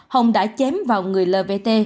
hồng đã chém vào người lvt